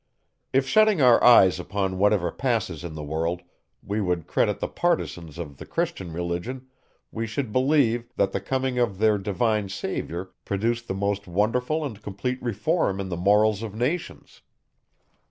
If shutting our eyes upon whatever passes in the world, we would credit the partisans of the Christian Religion, we should believe, that the coming of their divine Saviour produced the most wonderful and complete reform in the morals of nations.